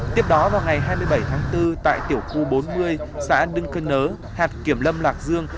tiếp đó vào ngày hai mươi bảy tháng bốn tại tiểu khu bốn mươi xã đưng cơ nớ hạt kiểm lâm lạc dương